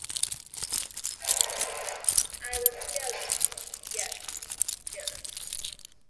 I was jealous — yes, jealous.